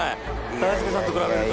大輔さんと比べると。